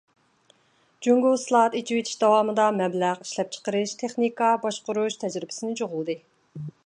جۇڭگو ئىسلاھات ئېچىۋېتىش داۋامىدا مەبلەغ، ئىشلەپچىقىرىش، تېخنىكا، باشقۇرۇش تەجرىبىسىنى جۇغلىدى.